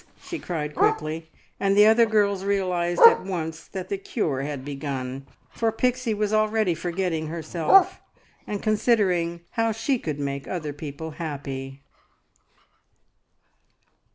she cried quickly; and the other girls realised at once that the cure had begun, for Pixie was already forgetting herself, and considering how she could make other people happy!